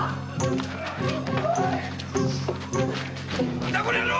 何だこの野郎！